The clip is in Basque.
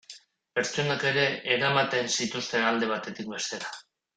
Pertsonak ere eramaten zituzten alde batetik bestera.